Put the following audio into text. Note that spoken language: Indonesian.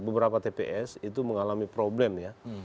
beberapa tps itu mengalami problem ya